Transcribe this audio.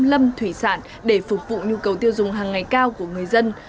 lâm thủy sản để phục vụ nhu cầu tiêu dùng hàng ngày cao của người dân